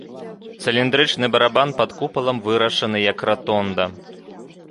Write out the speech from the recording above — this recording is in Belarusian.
Цыліндрычны барабан пад купалам вырашаны як ратонда.